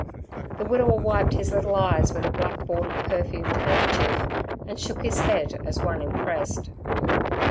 The widower wiped his little eyes with a black bordered perfumed handkerchief, and shook his head as one impressed.